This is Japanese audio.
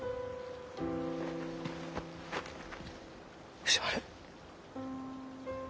藤丸。